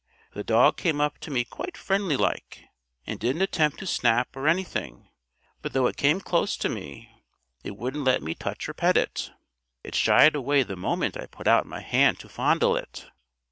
The dog came up to me quite friendly like, and didn't attempt to snap or anything; but though it came close to me, it wouldn't let me touch or pet it. It shied away the moment I put out my hand to fondle it.